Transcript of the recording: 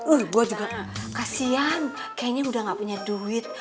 oh gue juga kasian kayaknya udah gak punya duit